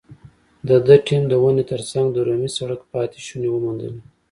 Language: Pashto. د ده ټیم د ونې تر څنګ د رومي سړک پاتې شونې وموندلې.